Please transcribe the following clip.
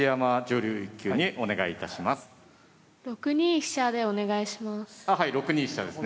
６二飛車でお願いします。